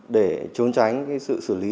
để trốn tránh sự xử lý